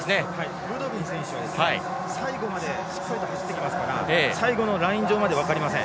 ブドビン選手は最後までしっかりと走っていきますから最後のライン上まで分かりません。